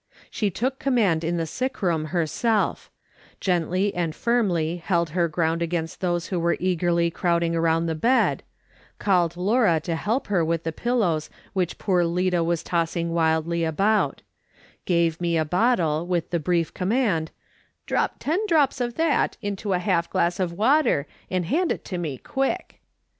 She took command in the sick room herself; gently and firmly held her ground against those who were eagerly crowding around the bed ; called Laura to help her with the pillows which poor Lida was tossing wildly about ; gave me a bottle with the brief command: " Drop ten drops of that into half a glass of water and hand it to me quick